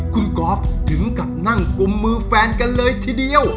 คุณก๊อฟถึงกับนั่งกุมมือแฟนกันเลยทีเดียว